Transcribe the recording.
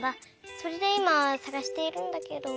それでいまさがしているんだけど。